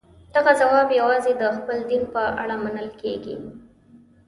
دغه ځواب یوازې د خپل دین په اړه منل کېږي.